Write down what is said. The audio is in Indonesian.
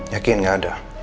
yakin gak ada